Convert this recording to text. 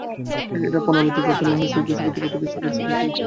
এর পুনরাবৃত্তি যাতে না হয়, সে বিষয়ে কর্তৃপক্ষের দৃষ্টি আকর্ষণ করছি।